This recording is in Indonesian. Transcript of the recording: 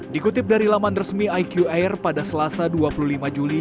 dikutip dari laman resmi iqr pada selasa dua puluh lima juli